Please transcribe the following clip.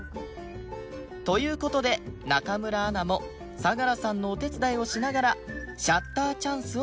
という事で中村アナも相良さんのお手伝いをしながらシャッターチャンスを狙う事に